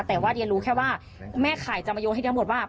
แต่ว่าเรียนรู้แค่ว่าแม่ขายจะมาโยงให้ทั้งหมดว่า